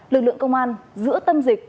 lực lượng công an giữa tâm dịch